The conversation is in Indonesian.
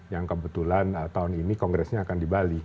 yang kebetulan tahun ini kongresnya akan di bali